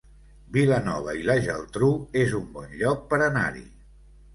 Vilanova i la Geltrú es un bon lloc per anar-hi